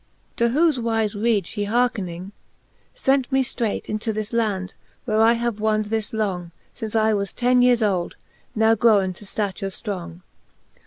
To whofe wife read fhe hearkning, fent me ftreight Into this land, where I have wond thus long, Since I was ten yeares old, now growen to ftature ftrong.